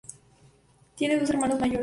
Tiene dos hermanos mayores.